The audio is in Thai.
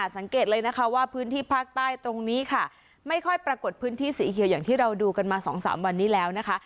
สังเกตเลยนะคะว่าพื้นที่ภาคใต้ตรงนี้ค่ะไม่ค่อยปรากฏพื้นที่สีเขียวอย่างที่เราดูกันมา๒๓วันนี้แล้วนะคะ